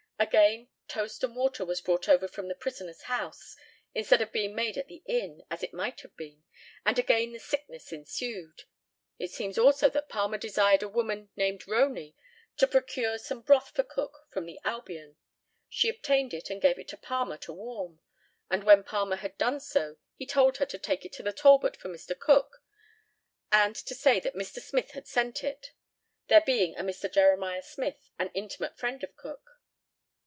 Again, toast and water was brought over from the prisoner's house, instead of being made at the inn, as it might have been, and again the sickness ensued. It seems also that Palmer desired a woman named Roney to procure some broth for Cook from the Albion. She obtained it and gave it to Palmer to warm, and when Palmer had done so he told her to take it to the Talbot for Mr. Cook, and to say that Mr. Smith had sent it there being a Mr. Jeremiah Smith, an intimate friend of Cook.